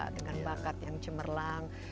dengan bakat yang cemerlang